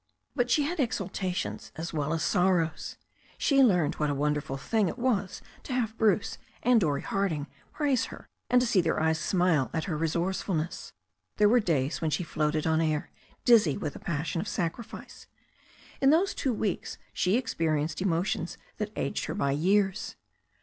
But she had exaltations as well as sorrows. She learned what a wonderful thing it was to have Bruce and Dorrie Harding praise her, and to see their eyes smile at her re sourcefulness. There were days when she floated on air, dizzy with the passion of sacrifice. In those two weeks she experienced emotions that aged her by years.